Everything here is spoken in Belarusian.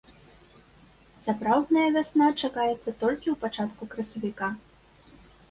Сапраўдная вясна чакаецца толькі ў пачатку красавіка.